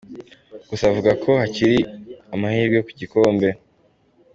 Gusa avuga ko hakiri amahirwe ku gikombe.